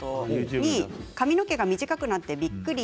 ２位髪の毛が短くなってびっくり。